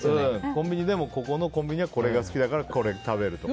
コンビニでもこれが好きだからこれ食べるとか。